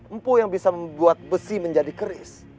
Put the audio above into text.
empu yang bisa membuat besi menjadi keris